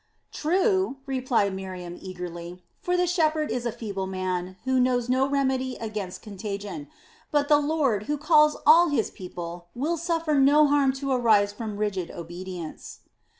"True," replied Miriam eagerly; "for the shepherd is a feeble man, who knows no remedy against contagion; but the Lord, who calls all His people, will suffer no harm to arise from rigid obedience."